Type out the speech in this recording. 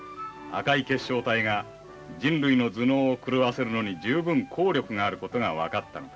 赤い結晶体が人類の頭脳を狂わせるのに十分効力があることが分かったのだ。